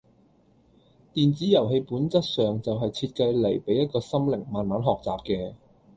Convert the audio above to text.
電子遊戲本質上就係設計嚟俾一個心靈慢慢學習嘅